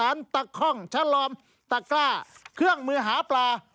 ตะค่องชะลอมตะกล้าเครื่องมือหาปลา